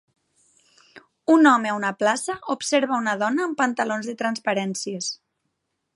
Un home a una plaça observa una dona amb pantalons de transparències.